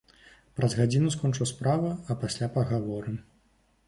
Праз гадзіну скончу справы, а пасля пагаворым.